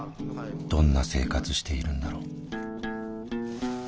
どんな生活しているんだろう？